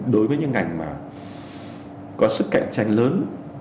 đối với những ngành mà có sức cạnh tranh lớn